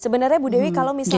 sebenarnya bu dewi kalau misalnya